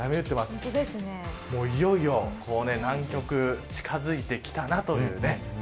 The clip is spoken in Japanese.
いよいよ南極が近づいてきたなというね。